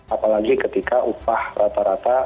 apalagi ketika upah rata rata